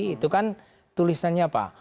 itu kan tulisannya apa